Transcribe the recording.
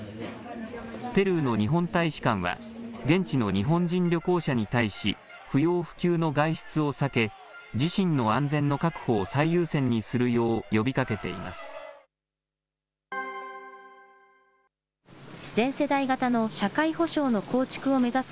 ペルーの日本大使館は、現地の日本人旅行者に対し、不要不急の外出を避け、自身の安全の確保を最優先にするよう呼びかけています。